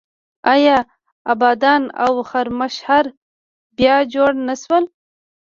آیا ابادان او خرمشهر بیا جوړ نه شول؟